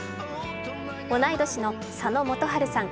同い年の佐野元春さん